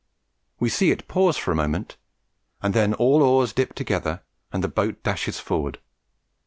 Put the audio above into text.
We see it pause for a moment, and then the oars all dip together, and the boat dashes forward.